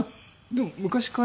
でも昔から。